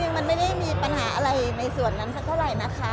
มันไม่ได้มีปัญหาอะไรในส่วนนั้นสักเท่าไหร่นะคะ